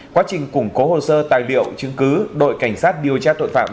quá trình củng cố hồ sơ tài liệu chứng cứ đội cảnh sát điều tra tội phạm